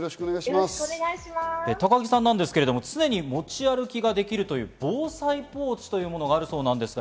高木さんですけれども、常に持ち歩きができるという防災ポーチというものがあるそうです。